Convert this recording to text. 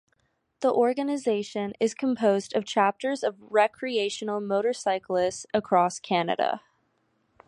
The organization is composed of chapters of recreational motorcyclists across Canada.